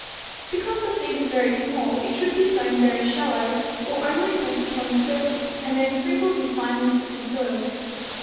Because the seed is very small, it should be sown very shallow or only pressed upon the surface and then sprinkled with finely sifted soil.